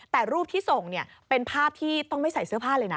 แต่รูปที่ส่งเป็นภาพที่ต้องไม่ใส่เสื้อผ้าเลยนะ